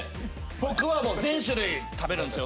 僕は全種類食べるんですよ。